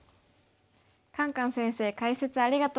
カンカン先生解説ありがとうございました。